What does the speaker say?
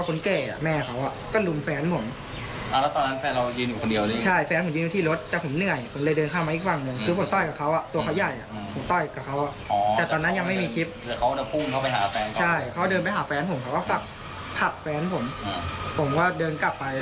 ผมก็เลยเอาเหล็กตรงนั้นตีเขาและก็มาอย่างในคลิปว่าที่น้องก็มาอะไรก็มาลุมอย่างนั้น